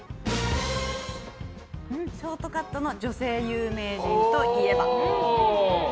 ショートカットの女性有名人といえば？